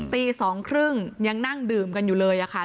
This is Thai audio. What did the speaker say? ตี๒๓๐ยังนั่งดื่มกันอยู่เลยค่ะ